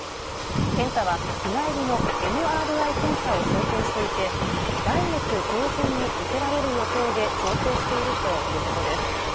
検査は、日帰りのＭＲＩ検査を想定していて、来月上旬に受けられる予定で調整しているということです。